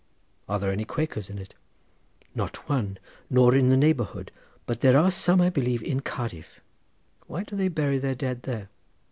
"Are there any Quakers in it?" "Not one, nor in the neighbourhood, but there are some, I believe, in Cardiff." "Why do they bury their dead there?"